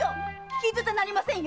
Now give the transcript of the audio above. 聞き捨てなりませんよ！